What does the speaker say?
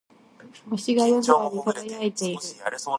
星が夜空に輝いている。